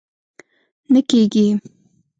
نه کېږي!